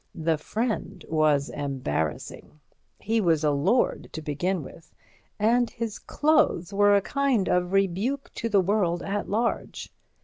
The friend was embarrassing; he was a lord, to begin with, and his clothes were a kind of rebuke to the world at large.